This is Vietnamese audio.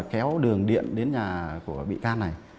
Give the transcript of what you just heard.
kéo đường điện đến nhà của bị can này